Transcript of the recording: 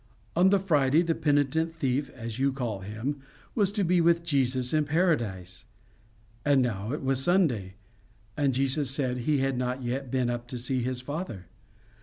On the Friday, the penitent thief, as you call him, was to be with Jesus in Paradise; and now it was Sunday, and Jesus said he had not yet been up to see his Father.